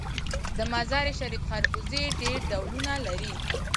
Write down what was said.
د مزار شریف خربوزې ډیر ډولونه لري.